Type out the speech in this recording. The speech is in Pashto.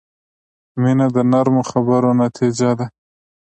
• مینه د نرمو خبرو نتیجه ده.